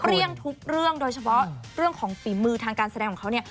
เรื่องทุกเรื่องโดยเฉพาะเรื่องของฝีมือทางการแสดงของเขาเนี่ย